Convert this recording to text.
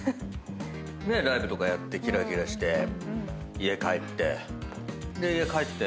ライブとかやってキラキラして家帰って。